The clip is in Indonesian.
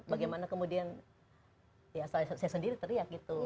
bagaimana kemudian ya saya sendiri teriak gitu